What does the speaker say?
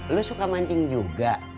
lo suka mancing juga